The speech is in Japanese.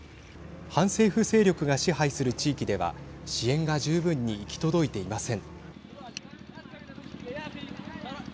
反政府勢力が支配する地域では支援が十分に行き届いていません。